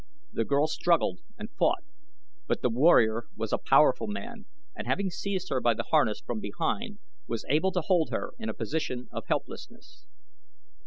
The girl struggled and fought, but the warrior was a powerful man and having seized her by the harness from behind was able to hold her in a position of helplessness.